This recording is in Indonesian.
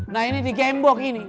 nah ini di gembok ini